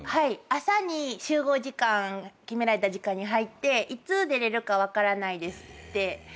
朝に集合時間決められた時間に入っていつ出れるか分からないですって言われて。